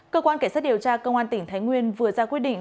cơ quan cảnh sát điều tra công an tỉnh thái nguyên vừa ra quyết định